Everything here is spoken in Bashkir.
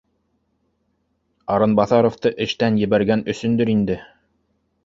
Арынбаҫаровты эштән ебәргән өсөндөр инде